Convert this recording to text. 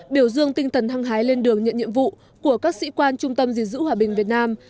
biểu dương tinh thần hăng hái lên đường nhận nhiệm vụ của các sĩ quan trung tâm diện giữ hòa bình việt nam